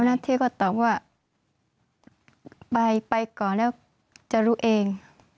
เจ้าหน้าที่ก็ตอบว่าไปก่อนแล้วจะรู้เอง